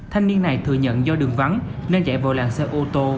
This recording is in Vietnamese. thanh niên này thừa nhận do đường vắng nên chạy vào làng xe ô tô